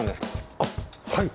あっはい。